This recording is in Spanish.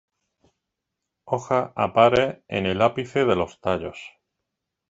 Hojas a pares en el ápice de los tallos.